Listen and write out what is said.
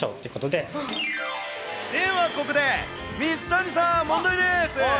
ではここで、水谷さん、問題です。